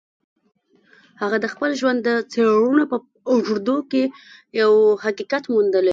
هغه د خپل ژوند د څېړنو په اوږدو کې يو حقيقت موندلی.